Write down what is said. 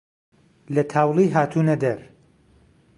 لە تاوڵی هاتوونە دەر